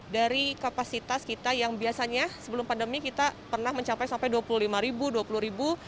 dari kapasitas kita yang biasanya sebelum pandemi kita pernah mencapai sampai dua puluh lima ribu dua puluh ribu